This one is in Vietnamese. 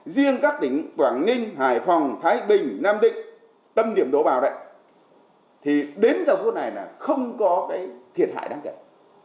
riêng các tỉnh quảng ninh hải phòng thái bình nam định tâm điểm đổ bào này thì đến trong phút này là không có thiệt hại đáng chạy